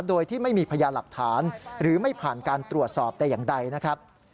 โดยที่ไม่มีพยาหลักฐานหรือไม่ผ่านการตรวจสอบแต่อย่างใดนะครับ